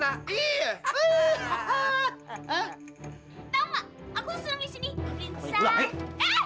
tau gak aku langsung disini salam